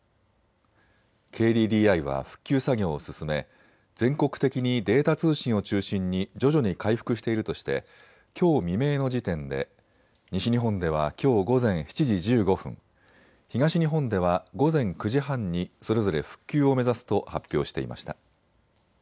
ＫＤＤＩは復旧作業を進め全国的にデータ通信を中心に徐々に回復しているとしてきょう未明の時点で西日本ではきょう午前７時１５分、東日本では午前９時半にそれぞれ復旧を目指すと発表していました。